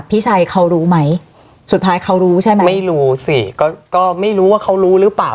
พี่ชัยเขารู้ไหมสุดท้ายเขารู้ใช่ไหมไม่รู้สิก็ก็ไม่รู้ว่าเขารู้หรือเปล่า